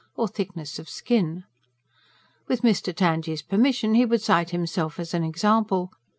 or thickness of skin. With Mr. Tangye's permission he would cite himself as an example.